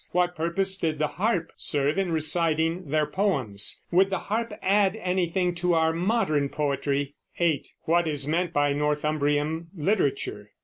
What purpose did the harp serve in reciting their poems? Would the harp add anything to our modern poetry? 8. What is meant by Northumbrian literature?